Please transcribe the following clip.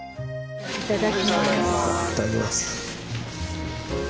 いただきます。